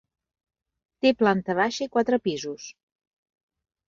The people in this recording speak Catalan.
Té planta baixa i quatre pisos.